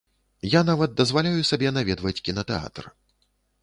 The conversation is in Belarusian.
Я нават дазваляю сабе наведваць кінатэатр.